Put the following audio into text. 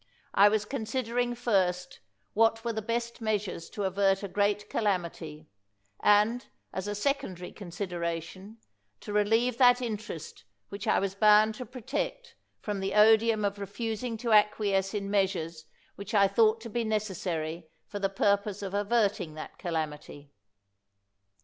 I was considering first what were the best measures to avert a great calamitj^ and, as a secondary con sideration, to relieve that interest which I was bound to protect from the odium of refusing to acquiesce in measures which I thought to be necessary for the purpose of averting that calam ity.